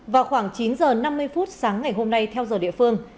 vào khoảng chín h năm mươi phút sáng ngày hôm nay theo giờ địa phương